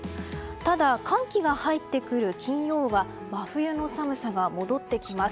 ただ、寒気が入ってくる金曜は真冬の寒さが戻ってきます。